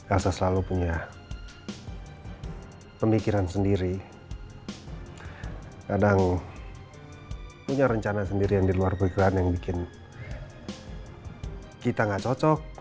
elsa selalu punya pemikiran sendiri kadang punya rencana sendiri yang diluar pikiran yang bikin kita gak cocok